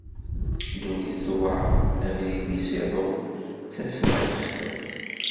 Dunnit tuɛer, abrid-is iḍul d tasraft.